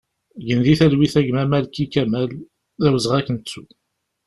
Gen di talwit a gma Malki Kamal, d awezɣi ad k-nettu!